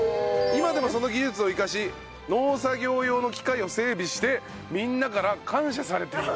今でもその技術を生かし農作業用の機械を整備してみんなから感謝されている。